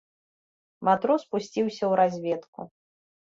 Матрос пусціўся ў разведку.